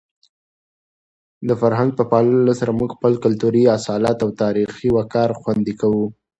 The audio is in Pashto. د فرهنګ په پاللو سره موږ خپل کلتوري اصالت او تاریخي وقار خوندي کوو.